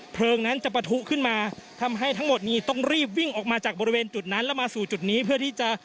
เพลิงนั้นจะปะทุขึ้นมาทำให้ทั้งหมดนี้ต้องรีบวิ่งออกมาจากบริเวณจุดนั้นแล้วมาสู่จุดนี้เพื่อที่จะ